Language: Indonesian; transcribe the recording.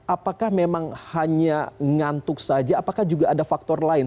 apakah memang hanya ngantuk saja apakah juga ada faktor lain